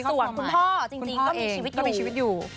ส่วนคุณพ่อจริงก็มีชีวิตอยู่